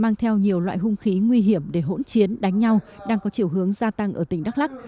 nhiều loại hung khí nguy hiểm để hỗn chiến đánh nhau đang có chiều hướng gia tăng ở tỉnh đắk lắk